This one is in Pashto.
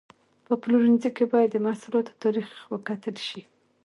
په پلورنځي کې باید د محصولاتو تاریخ وکتل شي.